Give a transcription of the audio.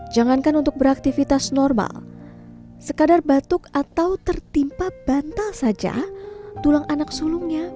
jangankan untuk beraktivitas normal sekadar batuk atau tertimpa bantal saja tulang anak sulungnya